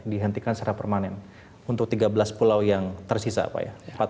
dihentikan secara permanen untuk tiga belas pulau yang tersisa pak ya